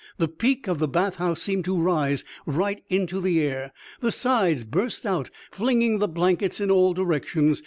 The peak of the bath house seemed to rise right into the air. The sides burst out, flinging the blankets in all directions.